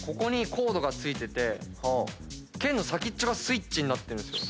コードが付いてて剣の先っちょがスイッチになってるんですよ。